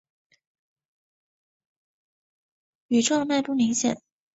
羽状脉不明显。